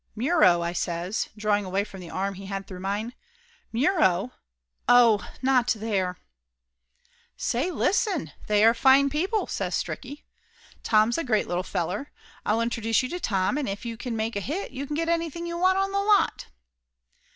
"Muro!" I says, drawing away from the arm he had through mine. "Muro! Oh! Not there!" "Say listen! They are fine people!" says Stricky. Laughter Limited 121 "Tom's a great little feller. I'll introduce you to Tom, and if you make a hit you can get anything you want on the lot."